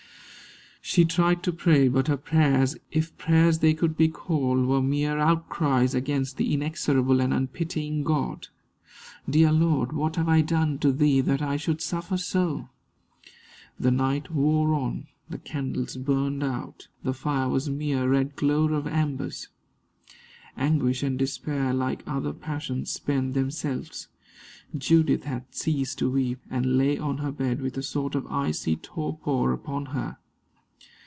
She tried to pray, but her prayers if prayers they could be called were mere outcries against the inexorable and unpitying God. "Dear Lord, what have I done to thee that I should suffer so?" The night wore on, the candles burned out, the fire was a mere red glow of embers. Anguish and despair, like other passions, spend themselves. Judith had ceased to weep, and lay on her bed with a sort of icy torpor upon her.